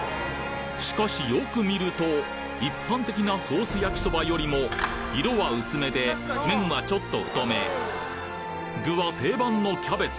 しかしよく見ると一般的なソース焼きそばよりも色は薄めで麺はちょっと太め具は定番のキャベツ。